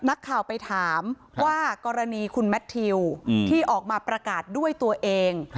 นักข่าวไปถามว่ากรณีคุณแมททิวที่ออกมาประกาศด้วยตัวเอง